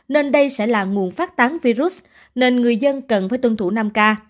nên đây sẽ là nguồn phát tán virus nên người dân cần phải tuân thủ năm k